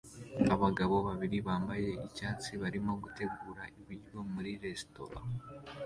Abagabo babiri bambaye icyatsi barimo gutegura ibiryo muri resitora